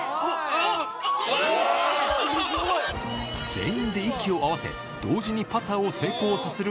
全員で息を合わせ、同時にパターを成功させる